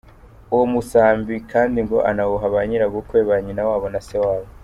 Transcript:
Uwo musambi kandi ngo anawuha ba nyirabukwe, ba nyinawabo na sewabo.